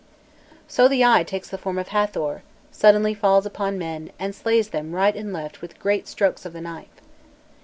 So the Eye takes the form of Hâthor, suddenly falls upon men, and slays them right and left with great strokes of the knife.